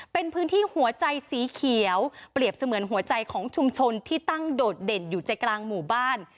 เป็นพื้นที่หัวใจสีเขียวเปรียบเสมือนหัวใจของชุมชนที่ตั้งโดดเด่นอยู่ใจกลางหมู่บ้าน